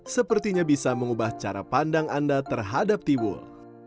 sepertinya bisa mengubah cara pandang anda terhadap tiwul